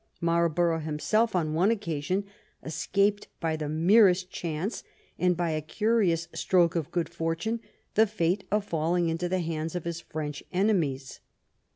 Marl borough himself on one occasion escaped by the merest chance, and, by a curious stroke of good fortune, the fate of falling into the hands of his French enemies.